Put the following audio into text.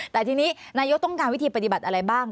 แต่ทีนี้นายกต้องการวิธีปฏิบัติอะไรบ้าง